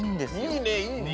いいねいいね。